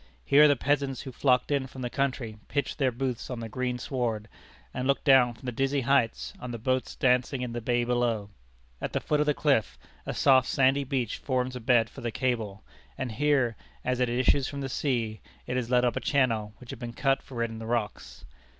Here the peasants who flocked in from the country pitched their booths on the green sward, and looked down from the dizzy heights on the boats dancing in the bay below. At the foot of the cliff, a soft, sandy beach forms a bed for the cable, and here, as it issues from the sea, it is led up a channel which had been cut for it in the rocks.